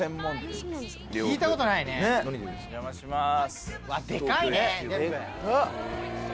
お邪魔します。